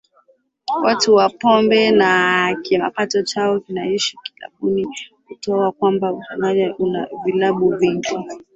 watu wa pombe na kipato chao kinaishia kilabuni Utaona kwamba Uchagga una vilabu vingi